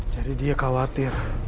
jadi dia khawatir